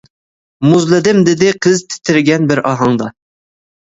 -مۇزلىدىم، -دېدى قىز تىترىگەن بىر ئاھاڭدا.